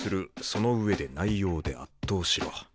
「その上で内容で圧倒しろ」。